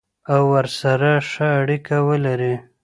او ورسره ښه اړیکه ولري.